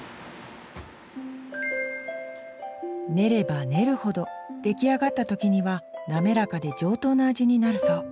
練れば練るほど出来上がった時には滑らかで上等な味になるそう。